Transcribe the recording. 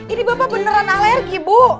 ini bapak beneran alergi bu